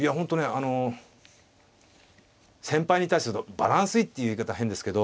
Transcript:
あの先輩に対してバランスいいって言い方は変ですけど。